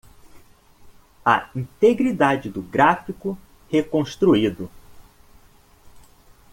A integridade do gráfico reconstruído